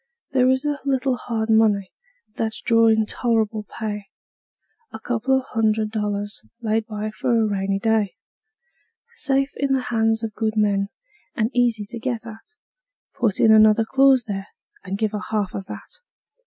There is a little hard money that's drawin' tol'rable pay: A couple of hundred dollars laid by for a rainy day; Safe in the hands of good men, and easy to get at; Put in another clause there, and give her half of that.